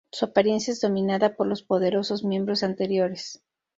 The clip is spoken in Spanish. Su apariencia es dominada por los poderosos miembros anteriores.